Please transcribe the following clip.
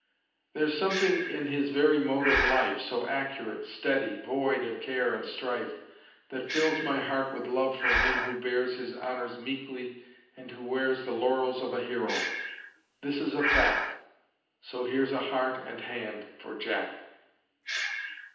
There's something in his very mode of life So accurate, steady, void of care and strife, That fills my heart with love for him who bears His honors meekly and who wears The laurels of a hero! This is a fact, So here's a heart and hand for "Jack!"